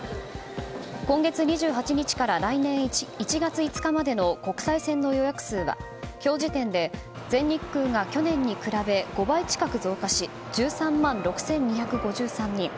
今月２８日から来年１月５日までの国際線の予約数は今日時点で全日空が去年に比べ５倍近く増加し１３万６２５３人。